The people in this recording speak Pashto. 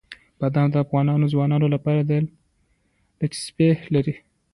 بادام د افغان ځوانانو لپاره دلچسپي لري.